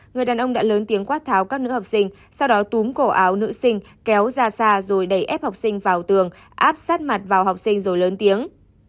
người đàn ông đã lớn tiếng quát tháo các nữ học sinh sau đó túm cổ áo nữ sinh kéo ra xa rồi đẩy ép học sinh vào tường áp sát mặt vào học sinh rồi lớn tiếng